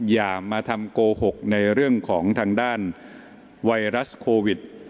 อย่ามาทำโกหกในเรื่องของทางด้านไวรัสโควิด